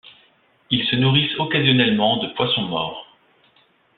Ils se nourrissent occasionnellement de poissons morts.